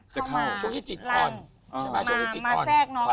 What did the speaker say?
จะเข้าช่วงที่จิตอ่อน